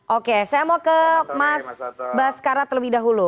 oke saya mau ke mas baskara terlebih dahulu